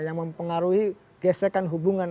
yang mempengaruhi gesekan hubungan